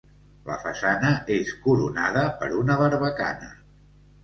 La façana és coronada per una barbacana.